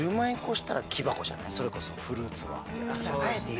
それこそフルーツは。